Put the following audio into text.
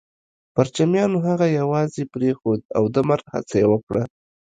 پرچمیانو هغه يوازې پرېښود او د مرګ هڅه يې وکړه